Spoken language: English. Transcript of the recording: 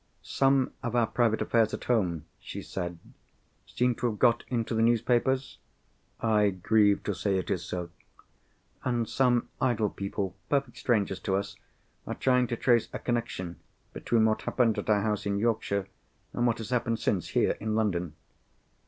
"Some of our private affairs, at home," she said, "seem to have got into the newspapers?" "I grieve to say, it is so." "And some idle people, perfect strangers to us, are trying to trace a connexion between what happened at our house in Yorkshire and what has happened since, here in London?"